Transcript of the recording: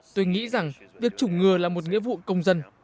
tôi nghĩ rằng việc chủng ngừa là một nghĩa vụ công dân